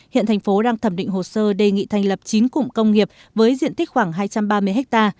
hiện thành phố đang thẩm định hồ sơ đề nghị thành lập chín cụm công nghiệp với diện tích khoảng hai trăm ba mươi ha